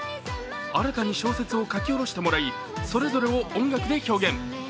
新たに小説を書き下ろしてもらいそれぞれを音楽で表現。